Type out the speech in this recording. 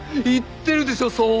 言ってるでしょそう！